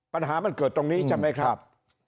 ปัญหามันเกิดตรงนี้ใช่ไหมครับ